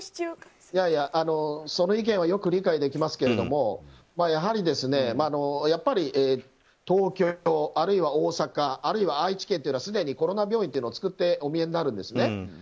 その意見はよく理解できますけれどもやはり東京、あるいは大阪あるいは愛知県というのはすでにコロナ病院を作っておみえになるんですね。